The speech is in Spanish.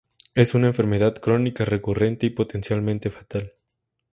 Es una enfermedad crónica, recurrente y potencialmente fatal.